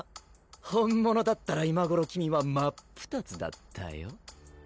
本物だったら今頃君は真っ二つだったよ？